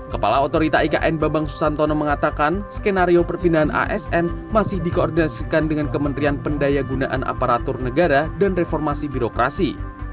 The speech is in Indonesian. kepala otorita ikn babang susantono mengatakan skenario perpindahan asn masih dikoordinasikan dengan kementerian pendaya gunaan aparatur negara dan reformasi birokrasi